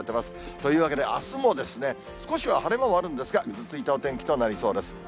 というわけで、あすも少しは晴れ間もあるんですが、ぐずついたお天気となりそうです。